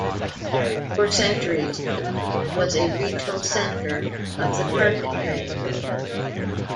For centuries Kut was a regional center of the carpet trade.